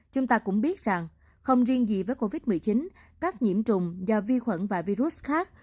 chúng ta cũng biết rằng không riêng gì với covid một mươi chín các nhiễm trùng do vi khuẩn và virus khác